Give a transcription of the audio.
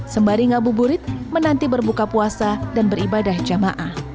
sembaring abu burit menanti berbuka puasa dan ibadah jama'ah